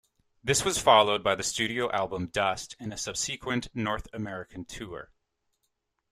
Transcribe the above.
This was followed by the studio album "Dust" and a subsequent North American tour.